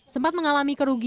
sempat mengalami kerugian